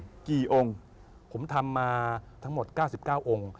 อืมกี่องค์ผมทำมาทั้งหมดเก้าสิบเก้าองค์